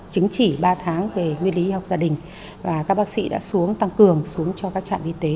chứng chỉ ba tháng về nguyên lý y học gia đình và các bác sĩ đã xuống tăng cường xuống cho các trạm y tế